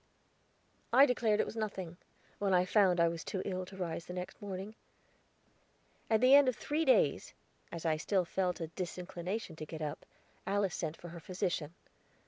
I declared it was nothing, when I found I was too ill to rise the next morning. At the end of three days, as I still felt a disinclination to get up, Alice sent for her physician.